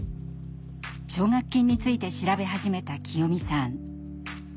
奨学金について調べ始めたきよみさん。